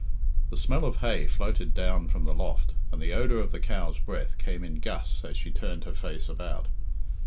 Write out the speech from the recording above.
The smell of hay floated down from the loft, and the odour of the cow's breath came in gusts as she turned her face about.